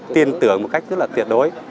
tiên tưởng một cách rất là tuyệt đối